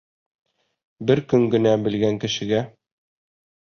Бер көн генә белгән кешегә!